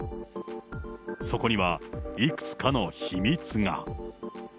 そこにはいくつかの秘密が。